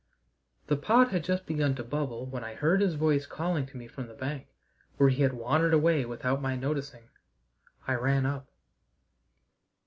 The pot had just begun to bubble when I heard his voice calling to me from the bank, where he had wandered away without my noticing. I ran up.